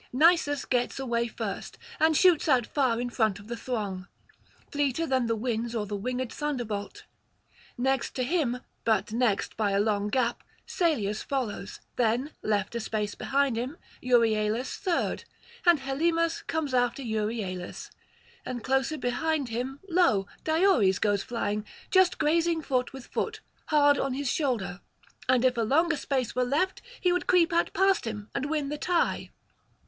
Nisus gets away first, and shoots out far in front of the throng, fleeter than the winds or the winged thunderbolt. Next to him, but next by a long gap, Salius follows; then, left a space behind him, Euryalus third ... and Helymus comes after Euryalus; and close behind him, lo! Diores goes flying, just grazing foot with foot, hard on his shoulder; and if a longer space were left, he would creep out past him and win the tie.